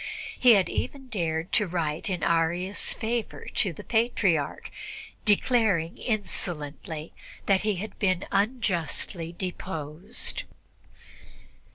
He had even dared to write in Arius' favor to the Patriarch, declaring insolently that he had been unjustly deposed.